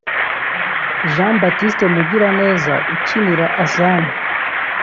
Jean Baptiste Mugiraneza ukinira Azam